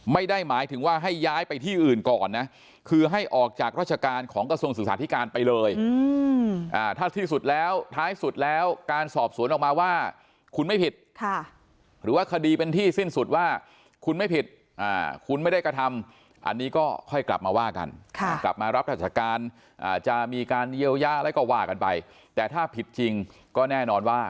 ไม่ได้หมายถึงว่าให้ย้ายไปที่อื่นก่อนนะคือให้ออกจากราชการของกระทรวงศึกษาธิการไปเลยถ้าที่สุดแล้วท้ายสุดแล้วการสอบสวนออกมาว่าคุณไม่ผิดหรือว่าคดีเป็นที่สิ้นสุดว่าคุณไม่ผิดคุณไม่ได้กระทำอันนี้ก็ค่อยกลับมาว่ากันกลับมารับราชการจะมีการเยียวยาอะไรก็ว่ากันไปแต่ถ้าผิดจริงก็แน่นอนว่า